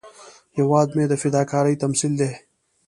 هېواد مو د فداکارۍ تمثیل دی